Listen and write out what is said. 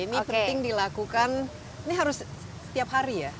ini penting dilakukan ini harus setiap hari ya